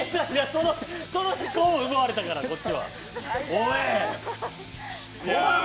その思考を奪われたからこっちは。